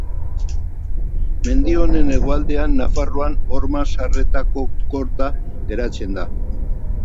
Mendi honen hegoaldean, Nafarroan, Ormazarretako korta geratzen da.